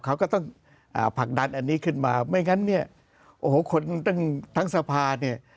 เขาก็ต้องผลักดันอันนี้ขึ้นมาไม่งั้นเนี่ยโอ้โหคนทั้งสภาเนี่ย